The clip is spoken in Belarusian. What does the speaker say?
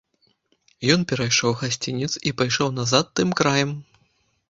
Ён перайшоў гасцінец і пайшоў назад тым краем.